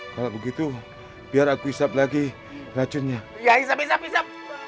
mana begitu biar aku isap lagi racunnya ya bisa bisa bisa